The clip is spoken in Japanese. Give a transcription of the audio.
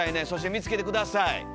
そして見つけて下さい。